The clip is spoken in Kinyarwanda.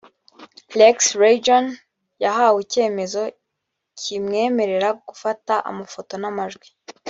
lakes region yahawe icyemezo kimwemerera gufata amafoto n amajwi